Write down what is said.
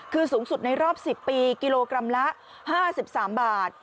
คือสูงสุดในรอบ๑๐ปีกิโลกรัมละ๕๓บาท